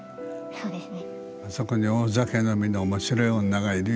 そうですね。